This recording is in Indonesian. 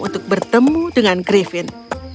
untuk bertemu dengan griffin